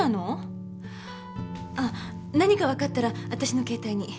あ何かわかったら私の携帯に。